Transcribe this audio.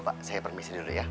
jenazah sudah selesai dimandikan